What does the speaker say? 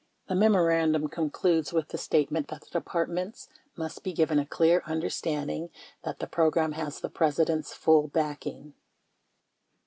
23 The memorandum concludes with the statement that the Depart ments "must be given a clear understanding [that] the program [has] the President's full backing."